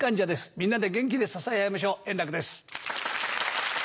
みんなで元気で支え合いましょう円楽です。